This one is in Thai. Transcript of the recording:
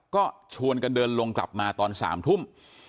ก็ชวนกันเดินลงกลับมาตอน๓ทุ่ม